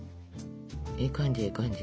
ええ感じええ感じ。